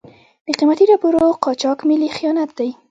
د قیمتي ډبرو قاچاق ملي خیانت دی.